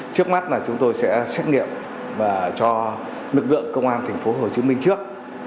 trước mắt là chúng tôi sẽ xét nghiệm và cho lực lượng công an tp hcm trước